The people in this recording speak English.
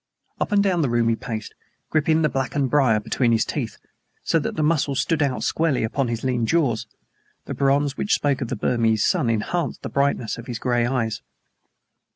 Up and down the room he paced, gripping the blackened briar between his teeth, so that the muscles stood out squarely upon his lean jaws. The bronze which spoke of the Burmese sun enhanced the brightness of his gray eyes.